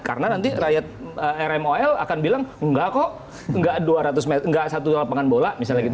karena nanti rakyat rmol akan bilang enggak kok enggak dua ratus meter enggak satu lapangan bola misalnya gitu